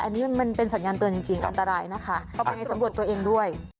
อันนี้มันเป็นสัญญาณเตือนจริงอันตรายนะคะเอาไปสำรวจตัวเองด้วย